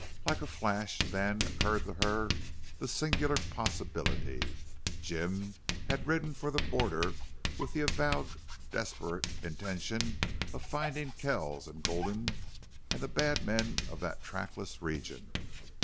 Like a flash then occurred to her the singular possibility. Jim had ridden for the border with the avowed and desperate intention of finding Kells and Gulden and the bad men of that trackless region.